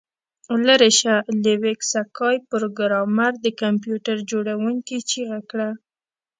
لیرې شه لیوک سکای پروګرامر د کمپیوټر جوړونکي چیغه کړه